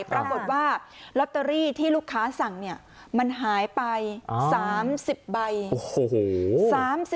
ปรากฏว่าลอตเตอรี่ที่ลูกค้าสั่งเนี่ยมันหายไป๓๐ใบโอ้โห